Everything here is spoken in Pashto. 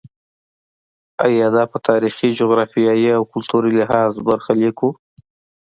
ایا دا په تاریخي، جغرافیایي او کلتوري لحاظ برخلیک و.